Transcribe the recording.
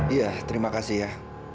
iya terima kasih ya